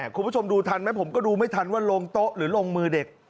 คุณผู้ชมดูทันไหมผมก็ดูไม่ทันว่าลงโต๊ะหรือลงมือเด็ก